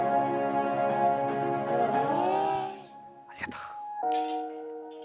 ありがとう。